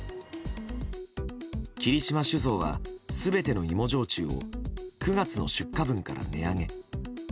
霧島酒造は全ての芋焼酎を９月の出荷分から値上げ。